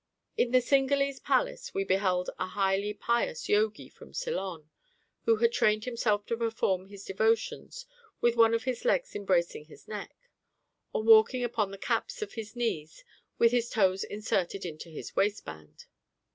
In the Cinghalese Palace we beheld a highly pious Yogi from Ceylon, who had trained himself to perform his devotions with one of his legs embracing his neck, or walking upon the caps of his knees with his toes inserted into his waistband.